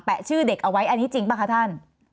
ชื่อเด็กเอาไว้อันนี้จริงป่ะคะท่าน